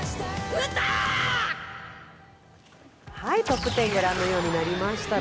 トップ１０御覧のようになりました。